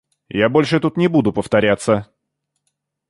Я больше тут не буду повторяться.